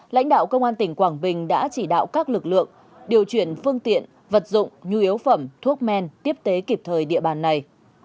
lãnh đạo công an tỉnh quảng bình đã chỉ đạo các lực lượng điều chuyển phương tiện vật dụng nhu yếu phẩm thuốc men tiếp tế kịp thời địa bàn này